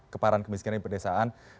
keparan kemiskinan di perdesaan